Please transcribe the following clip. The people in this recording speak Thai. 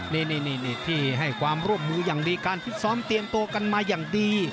นี่ที่ให้ความร่วมมืออย่างดีการฟิตซ้อมเตรียมตัวกันมาอย่างดี